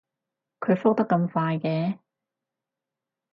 佢覆得咁快嘅